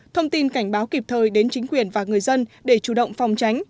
thông tin cảnh báo kịp thời đến chính quyền và người dân để chủ động phòng tránh